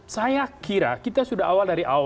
saya kira kita sudah awal dari awal